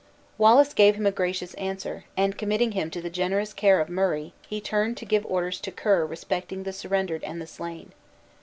Wallace gave him a gracious answer; and committing him to the generous care of Murray, he turned to give orders to Ker respecting the surrendered and the slain.